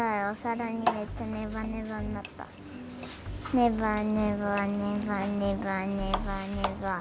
ネバネバネバネバネバネバ。